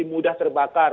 yang mudah terbakar